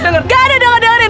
nggak ada udah ngedengerin